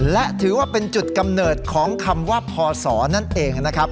และถือว่าเป็นจุดกำเนิดของคำว่าพศนั่นเองนะครับ